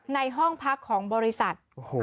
ในห้องพักของบริษัท